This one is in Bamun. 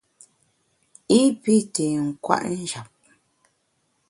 I pi té nkwet njap.